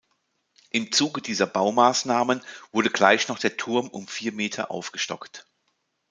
Im Zuge dieser Baumaßnahmen wurde gleich noch der Turm um vier Meter aufgestockt.